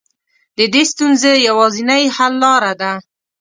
د دې ستونزې يوازنۍ حل لاره ده.